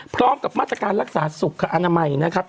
พร้อมกับมาตรการรักษาสุขอนามัยนะครับ